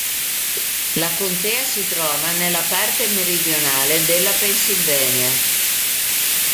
La contea si trova nella parte meridionale della Pennsylvania.